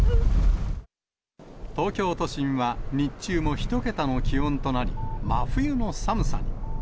東京都心は日中も１桁の気温となり、真冬の寒さに。